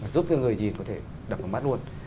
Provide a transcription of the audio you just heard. giúp cho người nhìn có thể đập vào mắt luôn